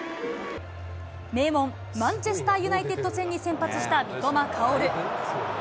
名門、マンチェスター・ユナイテッド戦に先発した三笘薫。